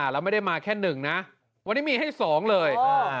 เราไม่ได้มาแค่หนึ่งนะวันนี้มีให้สองเลย